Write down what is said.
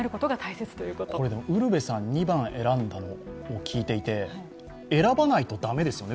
ウルヴェさん、２番選んだのを聞いていて選ばないと駄目ですよね